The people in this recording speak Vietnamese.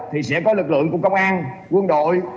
thì sẽ có lực lượng của công an quân đội